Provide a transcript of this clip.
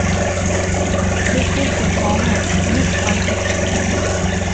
This is a common misconception.